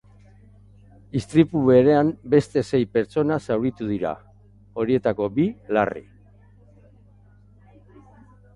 Istripu berean beste sei pertsona zauritu dira, horietako bi larri.